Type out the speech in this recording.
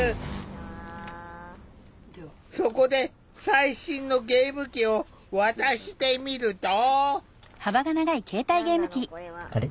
そこで最新のゲーム機を渡してみると。